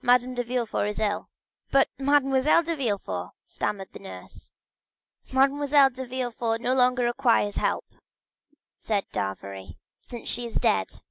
"Madame de Villefort is ill." 50087m "But Mademoiselle de Villefort——" stammered the nurse. "Mademoiselle de Villefort no longer requires help," said d'Avrigny, "since she is dead."